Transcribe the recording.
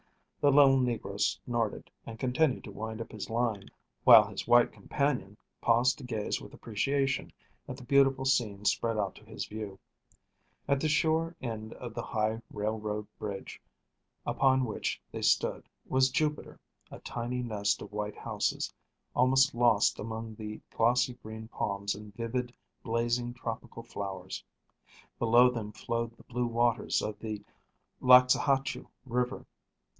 The little negro snorted, and continued to wind up his line, while his white companion paused to gaze with appreciation at the beautiful scene spread out to his view. At the shore end of the high railroad bridge upon which they stood was Jupiter, a tiny nest of white houses, almost lost among the glossy green palms and vivid blazing tropical flowers. Below them flowed the blue waters of the Laxahatchu River.